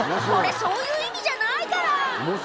これそういう意味じゃないから！